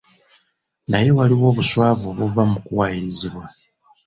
Naye waliwo obuswavu obuva mu kuwayirizibwa